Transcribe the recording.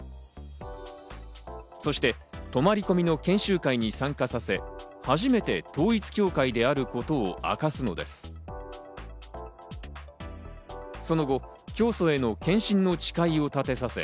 そして泊まり込みの研修会に参加させ、初めて統一教会であることを明かすのです。